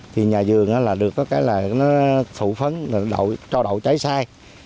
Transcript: thì nhà vườn nó được có cái là nó thụ phấn cho đậu trái sai